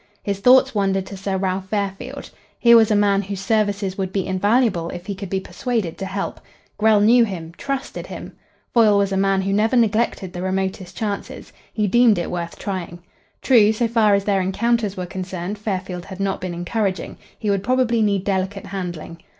His thoughts wandered to Sir Ralph Fairfield. Here was a man whose services would be invaluable if he could be persuaded to help. Grell knew him; trusted him. Foyle was a man who never neglected the remotest chances. He deemed it worth trying. True, so far as their encounters were concerned, Fairfield had not been encouraging. He would probably need delicate handling.